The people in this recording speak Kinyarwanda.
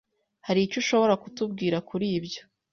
Hari icyo ushobora kutubwira kuri byo?